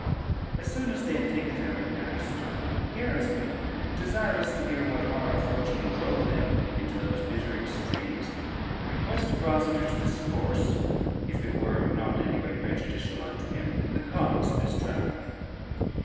As soon as they had taken their repast, Gerismond, desirous to hear what hard fortune drave them into those bitter extremes, requested Rosader to discourse, if it were not any way prejudicial unto him, the cause of his travel.